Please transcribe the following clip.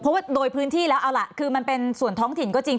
เพราะว่าโดยพื้นที่แล้วเอาล่ะคือมันเป็นส่วนท้องถิ่นก็จริง